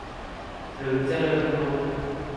หรือเจริญกรุง